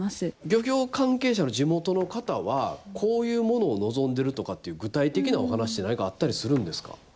漁業関係者の地元の方はこういうものを望んでるとかっていう具体的なお話って何かあったりするんですか。